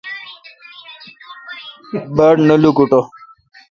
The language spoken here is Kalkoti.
باڑ نہ لوکوٹہ ۔